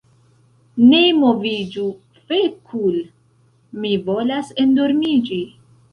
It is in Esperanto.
"Ne moviĝu fekul' mi volas endormiĝi